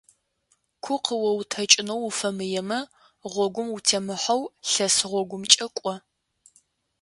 Ку къыоутэкӏынэу уфэмыемэ гъогум утемыхьэу лъэс гъогумкӏэ кӏо.